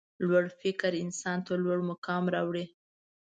لوړ فکر انسان ته لوړ مقام راوړي.